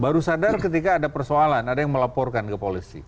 baru sadar ketika ada persoalan ada yang melaporkan ke polisi